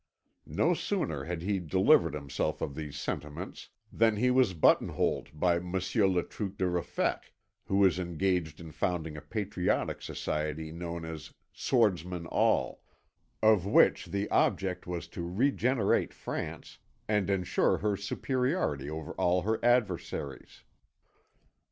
No sooner had he delivered himself of these sentiments than he was button holed by Monsieur le Truc de Ruffec, who was engaged in founding a patriotic society known as "Swordsmen All," of which the object was to regenerate France and ensure her superiority over all her adversaries.